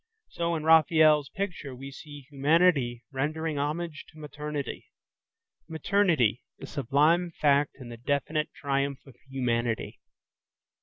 So in Raphael's picture we see humanity rendering homage to maternity,–maternity, the sublime fact in the definite triumph of humanity.